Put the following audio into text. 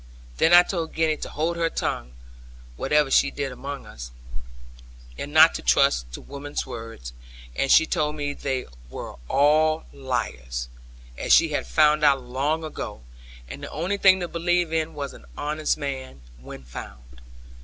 Then I told Gwenny to hold her tongue (whatever she did among us), and not to trust to women's words; and she told me they all were liars, as she had found out long ago; and the only thing to believe in was an honest man, when found.